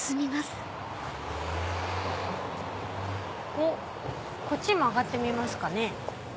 おっこっち曲がってみますかね。